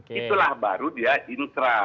itulah baru dia intra